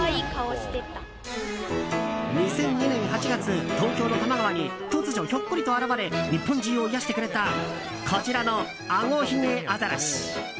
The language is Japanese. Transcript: ２００２年８月東京の多摩川に突如ひょっこりと現れ日本中を癒やしてくれたこちらのアゴヒゲアザラシ。